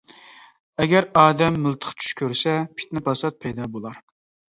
ئەگەر ئادەم مىلتىق چۈش كۆرسە، پىتنە-پاسات پەيدا بولار.